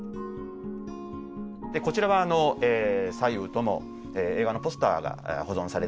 こちらは左右とも映画のポスターが保存されているところです。